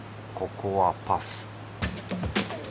ここはパス。